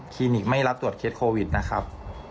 นิกไม่รับตรวจเคสโควิดนะครับ